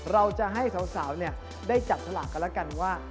เราจะให้สาวสาวเนี่ยได้จับฉลากกันแล้วกันว่า